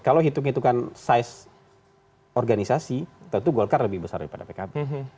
kalau hitung hitungan size organisasi tentu golkar lebih besar daripada pkb